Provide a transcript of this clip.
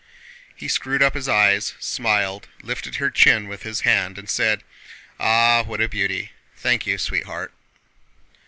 He screwed up his eyes, smiled, lifted her chin with his hand, and said: "Ah, what a beauty! Thank you, sweetheart!"